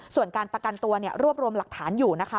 ส่วนการประกันตัวรวบรวมหลักฐานอยู่นะคะ